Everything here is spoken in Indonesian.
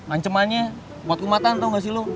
anjemannya buat kumatan tau gak sih lo